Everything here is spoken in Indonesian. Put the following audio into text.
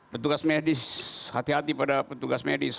petugas medis hati hati pada petugas medis